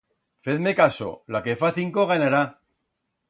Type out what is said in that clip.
Fez-me caso, la que fa cinco ganará.